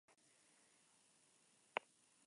Carece de tentáculos y de escamas en su manto.